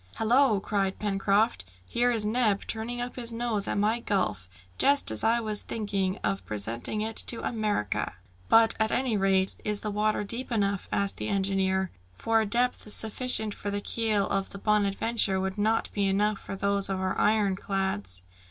"Hallo!" cried Pencroft, "here is Neb turning up his nose at my gulf, just as I was thinking of presenting it to America!" "But, at any rate, is the water deep enough?" asked the engineer, "for a depth sufficient for the keel of the Bonadventure, would not be enough for those of our iron clads."